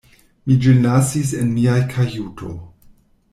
Mi ĝin lasis en mia kajuto.